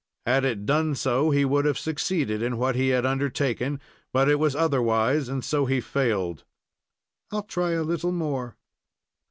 Had it done so, he would have succeeded in what he had undertaken, but it was otherwise, and so he failed. "I'll try a little more."